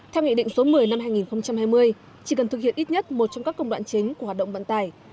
theo nghị định số một mươi năm hai nghìn hai mươi chỉ cần thực hiện ít nhất một trong các công đoạn chính của hoạt động vận tải